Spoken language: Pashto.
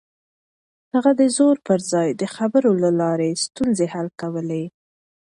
هغه د زور پر ځای د خبرو له لارې ستونزې حل کولې.